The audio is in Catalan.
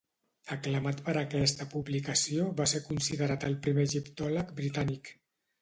Aclamat per aquesta publicació va ser considerat el primer egiptòleg britànic.